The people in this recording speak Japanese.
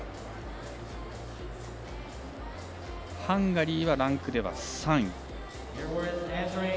ハンガリーはランクでは３位。